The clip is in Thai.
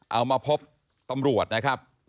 เอามาพบตำรวจนะครับ